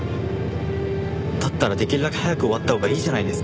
だったらできるだけ早く終わったほうがいいじゃないですか。